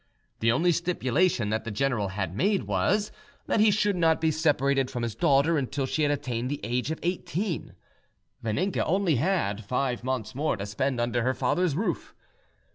The only stipulation that the general had made was, that he should not be separated from his daughter until she had attained the age of eighteen. Vaninka had only five months more to spend under her father's roof.